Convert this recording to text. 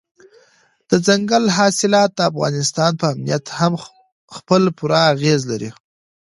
دځنګل حاصلات د افغانستان په امنیت هم خپل پوره اغېز لري.